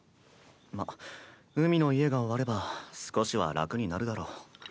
まっ海の家が終われば少しは楽になるだろう。